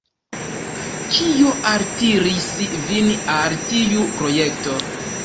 Kio altiris vin al tiu projekto?